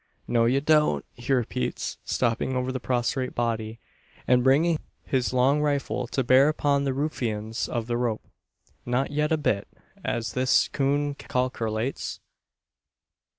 "No ye don't!" he repeats, stopping over the prostrate body, and bringing his long rifle to bear upon the ruffians of the rope. "Not yet a bit, as this coon kalkerlates.